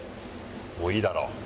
もういいだろ。